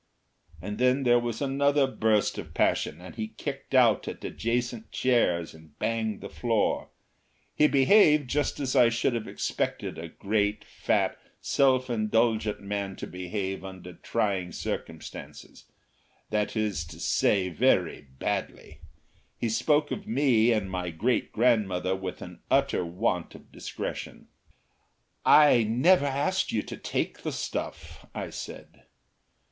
And then there was another burst of passion, and he kicked out at adjacent chairs and banged the floor. He behaved just as I should have expected a great, fat, self indulgent man to behave under trying circumstances that is to say, very badly. He spoke of me and my great grandmother with an utter want of discretion. "I never asked you to take the stuff," I said.